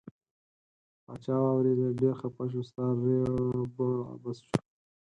پاچا واوریده ډیر خپه شو ستا ربړ عبث شو.